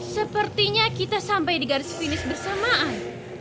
sepertinya kita sampai di garis finish bersamaan